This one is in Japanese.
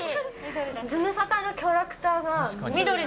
ズムサタのキャラクターが。